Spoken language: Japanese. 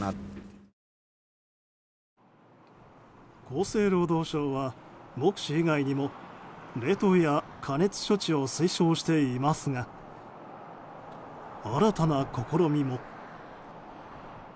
厚生労働省は目視以外にも冷凍や加熱処置を推奨していますが新たな試みも。